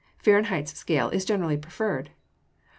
Fahrenheit's scale is generally preferred.